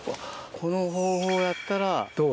この方法やったらどう？